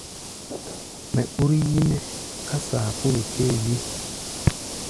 Mɛ ɓúr yí-mɛ́ ká saapúlu tɛɛ́ ye.